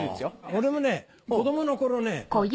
俺も子供の頃ね